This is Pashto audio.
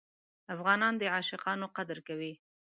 افغانان د عاشقانو قدر کوي.